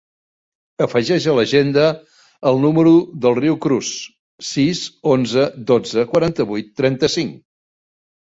Afegeix a l'agenda el número del Riu Cruz: sis, onze, dotze, quaranta-vuit, trenta-cinc.